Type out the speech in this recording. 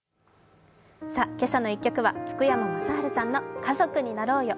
「けさの１曲」は福山雅治さんの「家族になろうよ」。